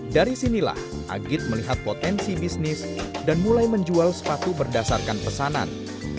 dari sinilah agit melihat potensi bisnis dan mulai menjual sepatu berdasarkan pesanan